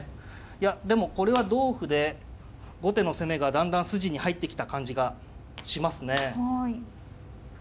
いやでもこれは同歩で後手の攻めがだんだん筋に入ってきた感じがしますね。